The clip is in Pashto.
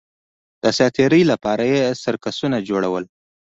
د ساتېرۍ لپاره یې سرکسونه جوړول